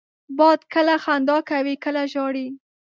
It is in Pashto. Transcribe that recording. باد کله خندا کوي، کله ژاړي